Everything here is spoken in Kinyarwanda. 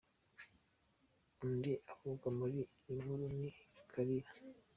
Undi uvugwa muri iyi nkuru, ni Kalira.